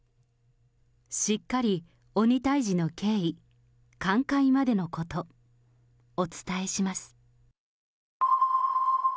しっかり鬼退治の経緯、寛解までのこと、お伝えします。